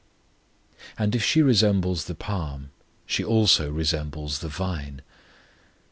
But if she resembles the palm she also resembles the vine.